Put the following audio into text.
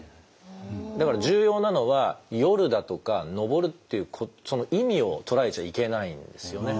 だから重要なのは「夜」だとか「登る」っていうその意味を捉えちゃいけないんですよね。